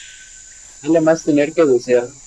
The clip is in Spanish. Vale más tener que desear